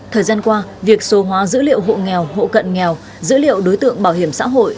thời gian qua việc số hóa dữ liệu hộ nghèo hộ cận nghèo dữ liệu đối tượng bảo hiểm xã hội